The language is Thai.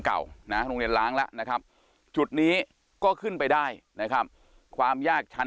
เก่านะโรงเรียนล้างแล้วนะครับจุดนี้ก็ขึ้นไปได้นะครับความยากชั้น